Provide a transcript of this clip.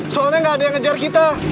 soalnya nggak ada yang ngejar kita